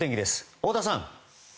太田さん。